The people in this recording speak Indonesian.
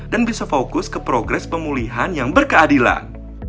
dan bisa fokus ke progres pemulihan yang berkeadilan